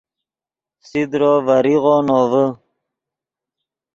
فسیدرو ڤریغو نوڤے